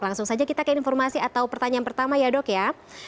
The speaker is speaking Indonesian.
langsung saja kita ke informasi atau pertanyaan pertama ya dok ya